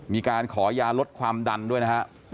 มีการขอยาลดความดันด้วยนะฮะ